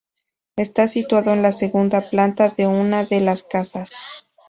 Está situado en la segunda planta de una de las casas.